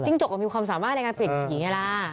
จกมันมีความสามารถในการเปลี่ยนสีไงล่ะ